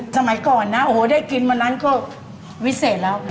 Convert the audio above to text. สมัยก่อนนะโอ้โหได้กินวันนั้นก็วิเศษแล้ว